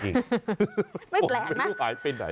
ไม่แปลงนะ